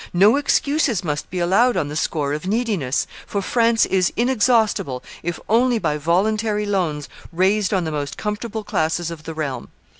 No excuses must be allowed on the score of neediness, for France is inexhaustible, if only by voluntary loans raised on the most comfortable classes of the realm.